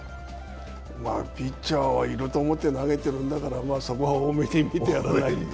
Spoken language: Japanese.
まあ、ピッチャーはいると思って投げてるんだから、そこは大目に見てあげないと。